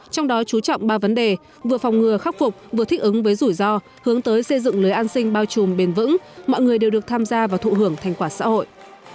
trong đó chú trọng ba vấn đề vừa phòng ngừa khắc phục vừa thích ứng với rủi ro hướng tới xây dựng lưới an sinh bao trùm bền vững mọi người đều được tham gia và thụ hưởng thành quả xã hội